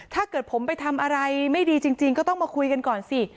ถ้าเกิดผมไปทำอะไรไม่ดีจริงก็ต้องมาคุยกันก่อนสิ